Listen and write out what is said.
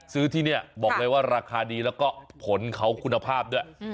ซื้อที่เนี้ยบอกเลยว่าราคาดีแล้วก็ผลเขากุณภาพด้วยอืม